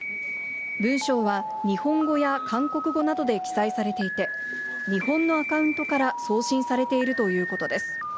文章は日本語や韓国語などで記載されていて、日本のアカウントから送信されているということです。